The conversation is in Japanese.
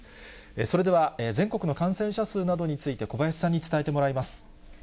それでは、全国の感染者数などについて、小林さんに伝えてもらいます。